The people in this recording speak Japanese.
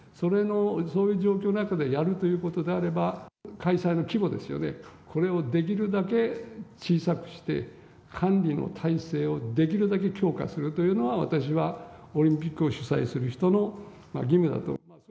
そういう状況の中でやるということであれば、開催の規模ですよね、これをできるだけ小さくして、管理の体制をできるだけ強化するというのが、私はオリンピックを主催する人の義務だと。